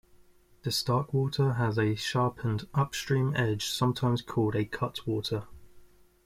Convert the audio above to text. The starkwater has a sharpened upstream edge sometimes called a "cutwater".